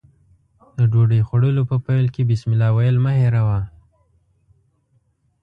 د ډوډۍ خوړلو په پیل کې بسمالله ويل مه هېروه.